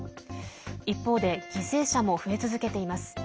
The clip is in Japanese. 一方で犠牲者も増え続けています。